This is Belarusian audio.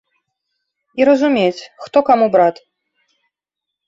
І разумець, хто каму брат.